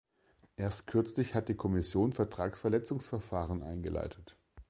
Erst kürzlich hat die Kommission Vertragsverletzungsverfahren eingeleitet.